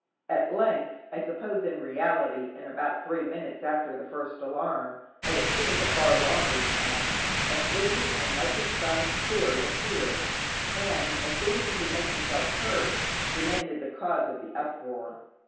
At length (I suppose, in reality, in about three minutes after the first alarm, but it seemed a far longer time) a sleepy and much astonished steward appeared, and as soon as he could make himself heard, demanded the cause of the uproar.